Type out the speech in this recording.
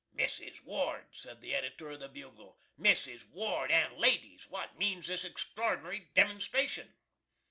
"Mrs. Ward," said the editor of the "Bugle" "Mrs. WARD and ladies, what means this extr'ord'n'ry demonstration?"